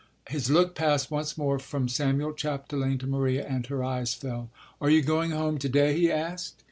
His look passed once more from Samuel Chapdelaine to Maria, and her eyes fell. "Are you going home to day?" he asked.